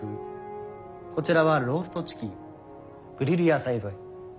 こちらはローストチキングリル野菜添え。